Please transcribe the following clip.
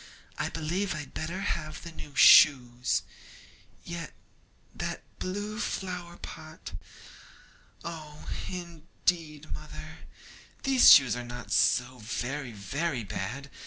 I believe I'd better have the new shoes. Yet, that blue flower pot. Oh, indeed, mother, these shoes are not so very very bad!